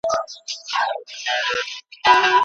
ویښتان غوړول او مساج اړین دي.